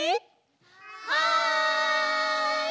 はい！